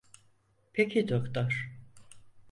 Peki doktor.